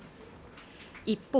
一方